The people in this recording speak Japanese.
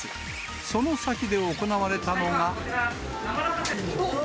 その先で行われたのが。